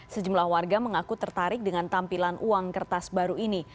sejumlah warga mengaku tertarik dengan tampilan uang kertas baru ini